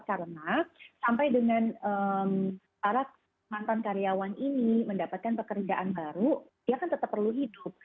karena sampai dengan para mantan karyawan ini mendapatkan pekerjaan baru dia akan tetap perlu hidup